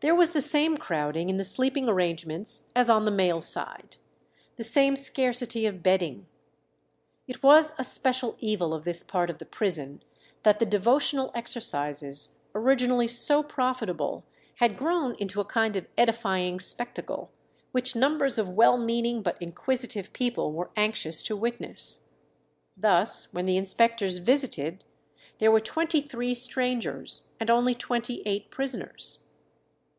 There was the same crowding in the sleeping arrangements as on the male side; the same scarcity of bedding. It was a special evil of this part of the prison, that the devotional exercises, originally so profitable, had grown into a kind of edifying spectacle, which numbers of well meaning but inquisitive people were anxious to witness. Thus, when the inspectors visited there were twenty three strangers, and only twenty eight prisoners.